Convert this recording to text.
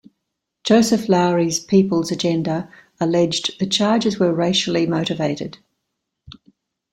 Joseph Lowery's People's Agenda alleged the charges were racially motivated.